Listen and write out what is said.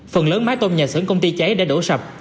phần lớn mái tôn nhà xưởng công ty cháy đã đổ sập